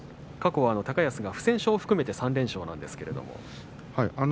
過去、高安が不戦勝を含めて３連勝なんですけれども。